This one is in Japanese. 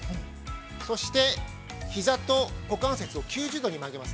そして、ひざと股関節を９０度に曲げます。